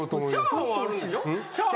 チャーハンはあるんでしょ？